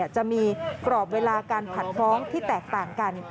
จะมีกรอบเวลาการผัดฟ้องที่แตกต่างกัน